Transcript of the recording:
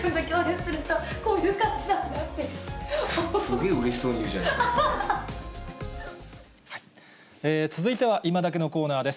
すげーうれしそうに言うじゃ続いては、いまダケッのコーナーです。